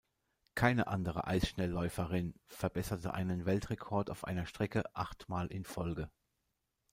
Keine andere Eisschnellläuferin verbesserte einen Weltrekord auf einer Strecke achtmal in Folge.